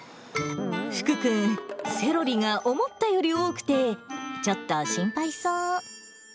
福君、セロリが思ったより多くて、ちょっと心配そう。